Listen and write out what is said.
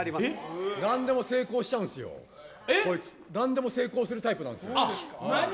何でも成功しちゃうんですよ、こいつ何でも成功するタイプ。